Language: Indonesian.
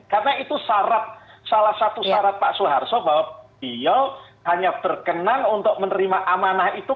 karena itu salah satu syarat pak soeharsol bahwa beliau hanya berkenan untuk menerima amanah itu